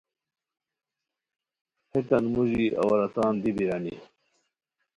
ہیتان موژی عورتان دی بیرانی